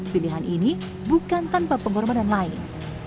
pilihan ini bukan tanpa pengorbanan lain